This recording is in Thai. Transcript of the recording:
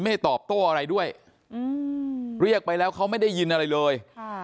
ให้ตอบโต้อะไรด้วยเรียกไปแล้วเขาไม่ได้ยินอะไรเลย